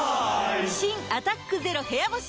新「アタックＺＥＲＯ部屋干し」